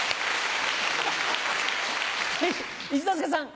一之輔さん。